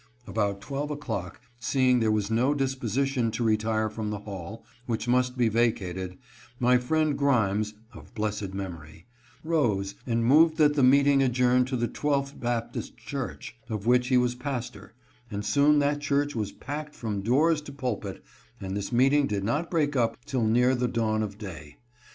About twelve o'clock, seeing there was no disposition to retire from the hall, which must be vacated, my friend Grimes (of blessed memory), rose and moved that the meeting adjourn to the Twelfth Baptist church, of which he was pastor, and soon that church was packed from doors to pulpit, and this meeting did not break up till near the 18 430 PROCLAMATION NOT SATISFACTORY. dawn of day.